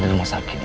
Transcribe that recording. dia harus sembuh